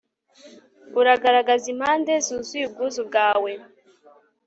uragaragaza impande zuzuye ubwuzu bwawe